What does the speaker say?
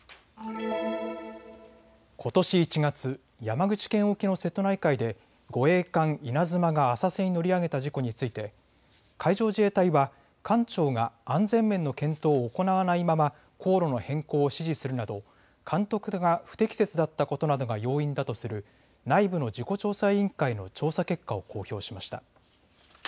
ことし１月、山口県沖の瀬戸内海で護衛艦いなづまが浅瀬に乗り上げた事故について海上自衛隊は艦長が安全面の検討を行わないまま航路の変更を指示するなど監督が不適切だったことなどが要因だとする内部の事故調査委員会の調査結果を公表しました。